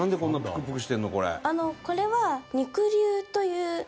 これは。